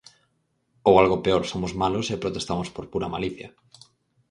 Ou algo peor, somos malos e protestamos por pura malicia.